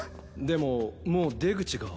でももう出口が。